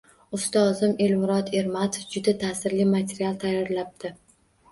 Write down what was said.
Ustozim Elmurod Ermatov juda ta’sirli material tayyorlabdi.